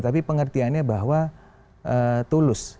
tapi pengertiannya bahwa tulus